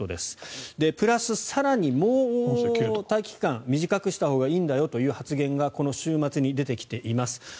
プラス、更にもう少し待機期間短くしたほうがいいんだよという発言がこの週末に出てきています。